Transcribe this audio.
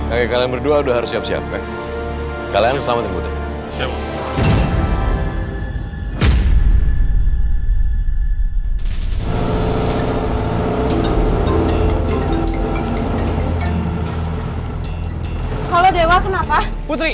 aku hidup sama kamu